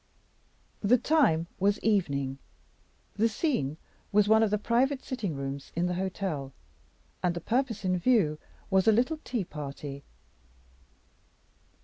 The time was evening; the scene was one of the private sitting rooms in the hotel; and the purpose in view was a little tea party.